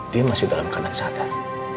dia masih dalam keadaan sadar